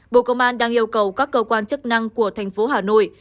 bộ công an đang yêu cầu các cơ quan chức năng của thành phố hà nội